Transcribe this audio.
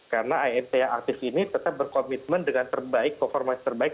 karena amt aktif ini tetap berkomitmen dengan performa yang terbaik